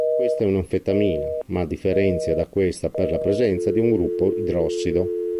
Essa è un'anfetamina, ma differenzia da questa per la presenza di un gruppo idrossido